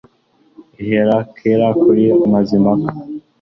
ihera kera kuri mazimpaka